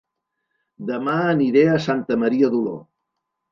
Dema aniré a Santa Maria d'Oló